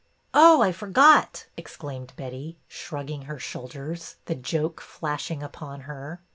'' Oh, I forgot," exclaimed Betty, shrugging her shoulders, the joke flashing upon her.